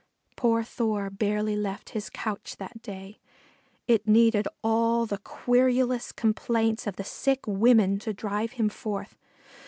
Poor Thor barely left his couch that day. It needed all the querulous complaints of the sick women to drive him forth.